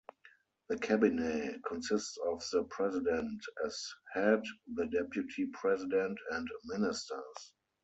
The Cabinet consists of the President, as head, the Deputy President and ministers.